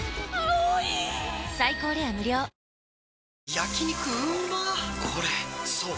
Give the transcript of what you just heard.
焼肉うまっ